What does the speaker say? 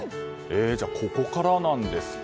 じゃあ、ここからなんですか？